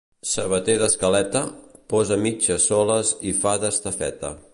Sabater d'escaleta, posa mitges soles i fa d'estafeta.